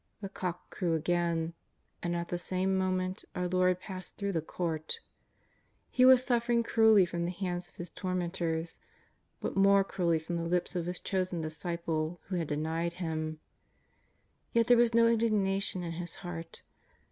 '' The cock crew again, and at the same moment our Lord passed through the court. He was suffering cruelly from the hands of llis tormentors, but more cruelly from the lips of His chosen disciple who had denied Him. Yet there was no indignation in His Heart.